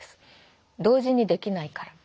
同時にできないから。